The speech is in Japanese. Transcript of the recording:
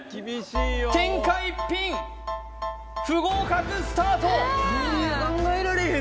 天下一品不合格スタート！